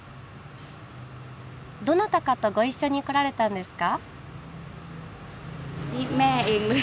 どなたかとご一緒に来られたんですか？